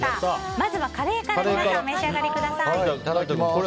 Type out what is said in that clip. まずはカレーからお召し上がりください。